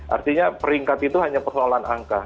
artinya peringkat itu hanya persoalan angka